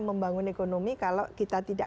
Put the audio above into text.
membangun ekonomi kalau kita tidak